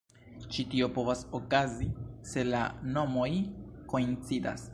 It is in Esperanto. Ĉi tio povas okazi se la nomoj koincidas.